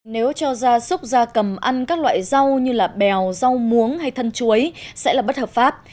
nếu cho gia súc gia cầm ăn các loại rau như là bèo rau muống hay thân chuối sẽ là bất hợp pháp